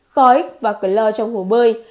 khói và cửa lơ trong hồ bơi